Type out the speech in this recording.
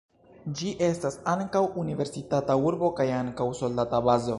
Ĝi estas ankaŭ universitata urbo kaj ankaŭ soldata bazo.